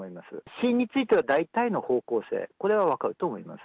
死因については大体の方向性、これは分かると思います。